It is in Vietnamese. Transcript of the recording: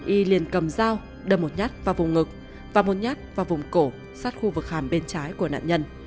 y liền cầm dao đâm một nhát vào vùng ngực và một nhát vào vùng cổ sát khu vực hàm bên trái của nạn nhân